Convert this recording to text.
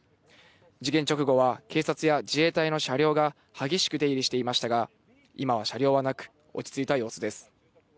事件直後は、警察や自衛隊の車両が激しく出入りしていましたが、今は車両はなく、落ち着いた様子です。